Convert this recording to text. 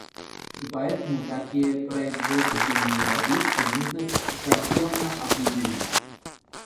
И поэтому такие производственные объекты нужно тщательно определить.